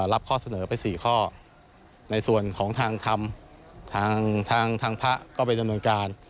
รับข้อเสนอไป๔ข้อในส่วนของทางธรรมทางพระก็ไปดำเนินการ